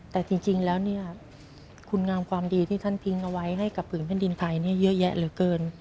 แต่จริงแล้วเนี่ยคุณงามความดีที่ท่านทิ้งเอาไว้ให้กับผืนแผ่นดินไทยเยอะแยะเหลือเกิน